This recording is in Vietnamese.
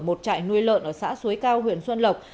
một trại nuôi lợn ở xã suối cao huyện xuân lộc